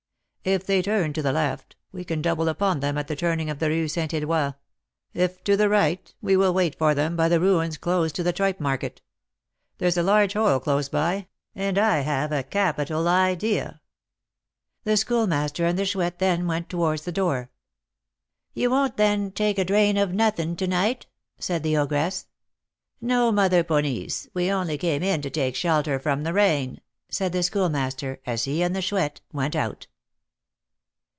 If they turn to the left, we can double upon them at the turning of the Rue Saint Eloi; if to the right, we will wait for them by the ruins close to the tripe market. There's a large hole close by, and I have a capital idea." The Schoolmaster and the Chouette then went towards the door. "You won't, then, take a 'drain' of nothin' to night?" said the ogress. "No, Mother Ponisse, we only came in to take shelter from the rain," said the Schoolmaster, as he and the Chouette went out.